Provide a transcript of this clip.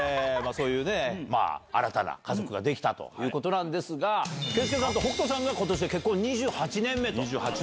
そういうね、新たな家族ができたということなんですが、健介さんと北斗さんがことしで結婚２８年目と。